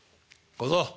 小僧！